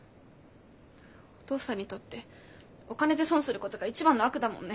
お父さんにとってお金で損するごどが一番の悪だもんね。